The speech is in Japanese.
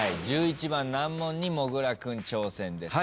難問にもぐら君挑戦です。